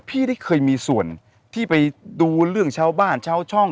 พี่ได้เคยมีส่วนที่ไปดูเรื่องชาวบ้านชาวช่อง